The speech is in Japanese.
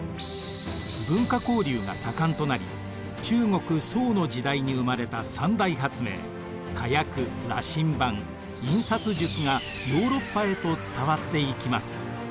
文化交流が盛んとなり中国・宋の時代に生まれた三大発明火薬羅針盤印刷術がヨーロッパへと伝わっていきます。